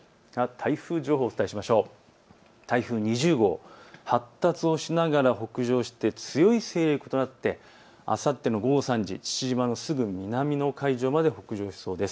台風２０号、発達をしながら北上して強い勢力となってあさっての午後３時、父島のすぐ南の海上に北上しそうです。